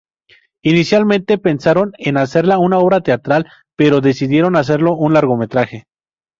Inicialmente pensaron en hacerla una obra teatral, pero decidieron hacerlo un largometraje.